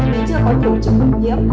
vì chưa có thiếu chứng bệnh nhiễm